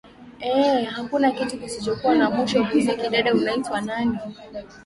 ee hakuna kitu kisichokuwa na mwisho muziki dada unaitwa nani